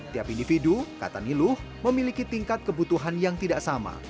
tiap individu kata niluh memiliki tingkat kebutuhan yang tidak sama